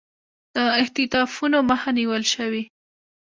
د اختطافونو مخه نیول شوې